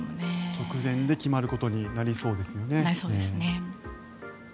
直前に決まることになりそうですよね。